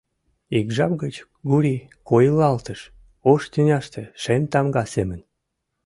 Ик жап гыч Гурий койылалтыш, ош тӱняште шем тамга семын.